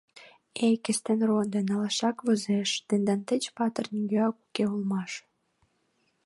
— Эй, Кестен родо, налашак возеш, тендан деч патыр нигӧат уке улмаш...